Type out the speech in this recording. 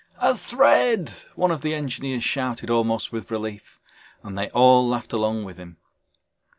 "A thread!" one of the engineers shouted, almost with relief, and they all laughed along with him.